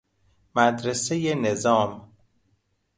مدرسۀ نظام